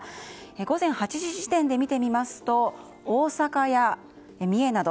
午前８時時点で見てみますと大阪や三重など。